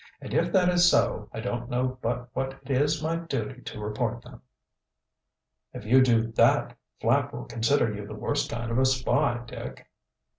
"And if that is so, I don't know but what it is my duty to report them." "If you do that, Flapp will consider you the worst kind of a spy, Dick."